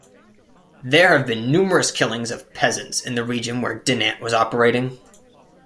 There have been numerous killings of peasants in the region where Dinant was operating.